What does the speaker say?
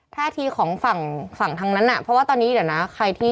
ท่าทีของฝั่งฝั่งทางนั้นน่ะเพราะว่าตอนนี้เดี๋ยวนะใครที่